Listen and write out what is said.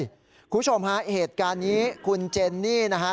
คุณผู้ชมฮะเหตุการณ์นี้คุณเจนนี่นะฮะ